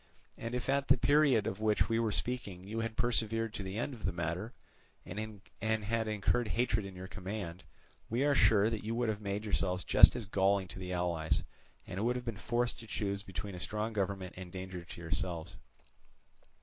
And if at the period of which we were speaking you had persevered to the end of the matter, and had incurred hatred in your command, we are sure that you would have made yourselves just as galling to the allies, and would have been forced to choose between a strong government and danger to yourselves.